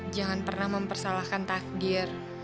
jangan pernah mempersalahkan takdir